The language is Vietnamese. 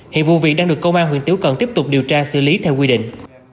hiện vụ việc đang được công an huyện tiếu cần tiếp tục điều tra xử lý theo quy định